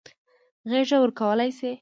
غېږه ورکولای شي.